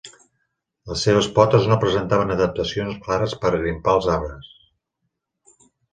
Les seves potes no presentaven adaptacions clares per grimpar als arbres.